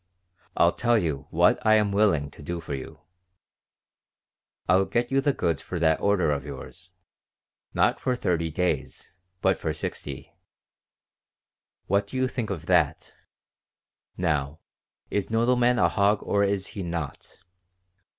Well, I'll tell you what I am willing to do for you. I'll get you the goods for that order of yours, not for thirty days, but for sixty. What do you think of that? Now is Nodelman a hog or is he not?